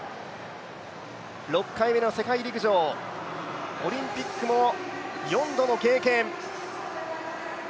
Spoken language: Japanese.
６回目の世界陸上、オリンピックも４度の経験。